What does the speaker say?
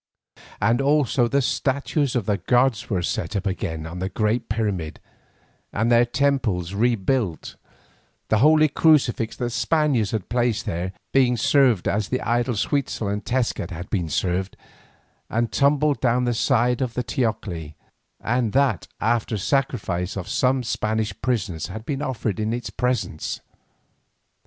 Also the statues of the gods were set up again on the great pyramid and their temples rebuilt, the holy crucifix that the Spaniards had placed there being served as the idols Huitzel and Tezcat had been served, and tumbled down the sides of the teocalli, and that after sacrifice of some Spanish prisoners had been offered in its presence.